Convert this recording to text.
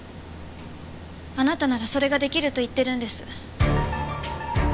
あなたならそれが出来ると言ってるんです。